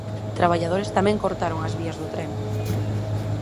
Traballadores tamén cortaron as vías do tren.